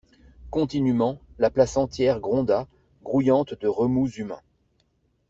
Continûment, la place entière gronda, grouillante de remous humains.